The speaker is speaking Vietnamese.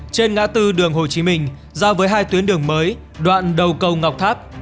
trên ngã tư đường hồ chí minh ra với hai tuyến đường mới đoạn đầu cầu ngọc tháp